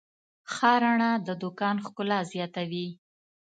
ښه رڼا د دوکان ښکلا زیاتوي.